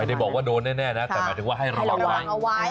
ไม่ได้บอกว่าโดนแน่นะแต่หมายถึงว่าให้ระวังไว้